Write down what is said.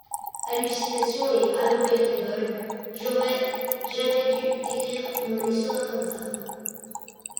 Hallucination et Halopéridol J'aurais jamais dû t'écrire mon histoire comme ça.